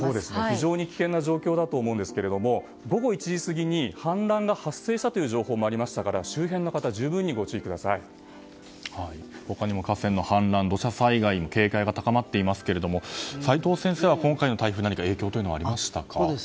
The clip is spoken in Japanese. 非常に危険な状況だと思うんですが午後１時過ぎに氾濫が発生したという情報もありましたから他にも河川の氾濫、土砂災害に警戒が高まっていますが齋藤先生は今回の台風何か影響はありましたか？